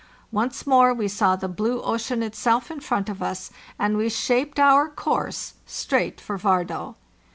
Once more we saw the blue ocean itself in front of us, and we shaped our course straight for Vardo.